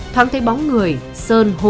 thoáng thấy bóng người sơn hô vang cướp cướp